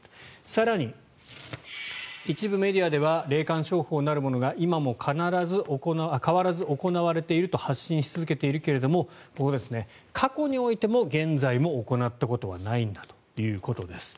更に、一部メディアでは霊感商法なるものが今も変わらず行われていると発信し続けているけどここですね、過去においても現在も行ったことはないんだということです。